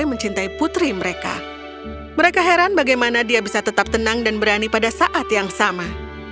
mereka heran bagaimana dia bisa tetap tenang dan berani pada saat yang sama